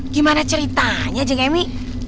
gimana ceritanya jeng emi